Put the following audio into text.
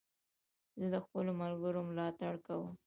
زه د خپلو ملګرو ملاتړ کوم.